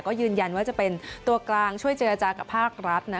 ก็ยืนยันว่าจะเป็นตัวกลางช่วยเจรจากับภาครัฐ